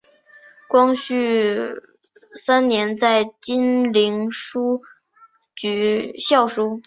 光绪三年在金陵书局校书。